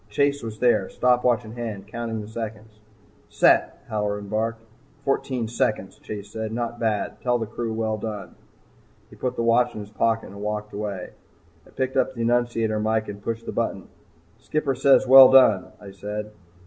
Chase was there, stopwatch in hand, counting the seconds. "Set!" Halloran barked. "Fourteen seconds," Chase said. "Not bad. Tell the crew well done." He put the watch in his pocket and walked away. I picked up the annunciator mike and pushed the button. "Skipper says well done," I said.